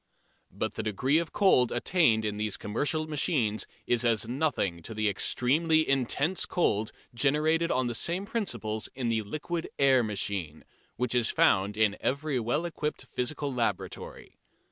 But the degree of cold attained in these commercial machines is as nothing to the extremely intense cold generated on the same principles in the liquid air machine, which is found in every well equipped physical laboratory.